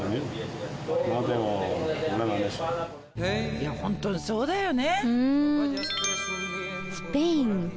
いやホントにそうだよね。